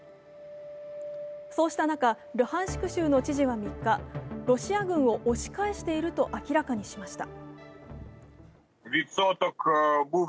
そうした中、ルハンシク州の知事は３日、ロシア軍を押し返していると明らかにしました。